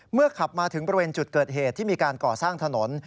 ขับมาถึงบริเวณจุดเกิดเหตุที่มีการก่อสร้างถนน